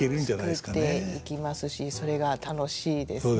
作っていきますしそれが楽しいですね。